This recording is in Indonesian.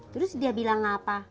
terus dia bilang apa